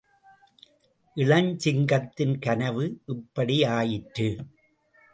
இளஞ்சிங்கத்தின் கனவு இப்படி ஆயிற்று.